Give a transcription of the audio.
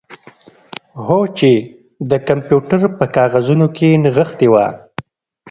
هو چې د کمپیوټر په کاغذونو کې نغښتې وه